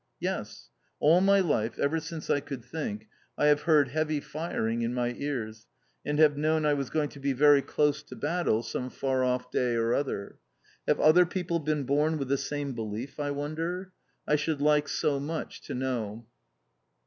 Yes! All my life, ever since I could think, I have heard heavy firing in my ears, and have known I was going to be very close to battle, some far off day or other. Have other people been born with the same belief, I wonder? I should like so much to know.